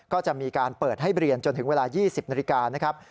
ก็จะมีการเปิดให้เรียนจนถึงเวลา๒๐นาฬิกานะครับ